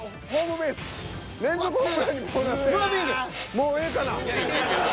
もうええかな。